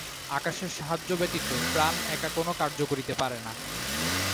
আকাশের সাহায্য ব্যতীত প্রাণ একা কোন কার্য করিতে পারে না।